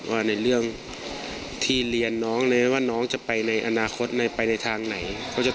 ว่าในเรื่องที่เรียนน้องว่าน้องจะไปในอนาคตไปในทางไหน